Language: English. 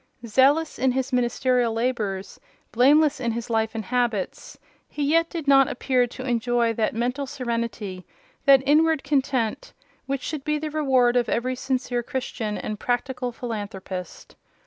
Zealous in his ministerial labours, blameless in his life and habits, he yet did not appear to enjoy that mental serenity, that inward content, which should be the reward of every sincere Christian and practical philanthropist.